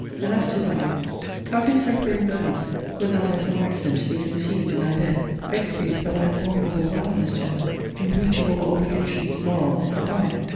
And, as to thine, how can temporary burnings, wert thou by some accident to be consumed in thy bed, expiate for thy abominable vileness to her, in breach of all obligations moral and divine?